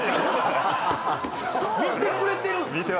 見てくれてるんすね。